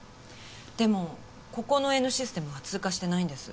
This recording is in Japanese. でもここのＮシステムは通過してないんです。